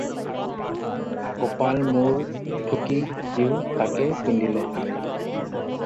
কপাল মূৰ থুকি সিও তাকে পিন্ধিলে।